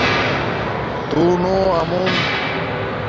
تُݹنوآمُون